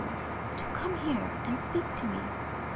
to come here ... and speak to me."